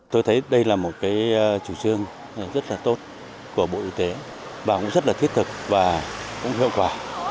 tôi thấy đây là một chủ trương rất là tốt của bộ y tế và cũng rất là thiết thực và cũng hiệu quả